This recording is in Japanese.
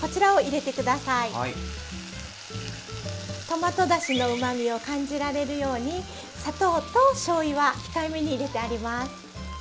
トマトだしのうまみを感じられるように砂糖としょうゆは控えめに入れてあります。